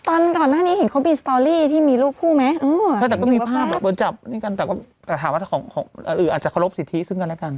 ตอนก่อนหน้านี้เห็นเขามีสตอรี่ที่มีรูปคู่ไหมใช่แต่ก็มีภาพโดนจับด้วยกันแต่ก็แต่ถามว่าของของอื่นอาจจะเคารพสิทธิซึ่งกันแล้วกัน